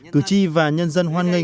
cử tri và nhân dân hoan nghênh